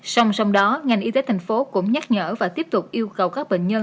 xong xong đó ngành y tế thành phố cũng nhắc nhở và tiếp tục yêu cầu các bệnh nhân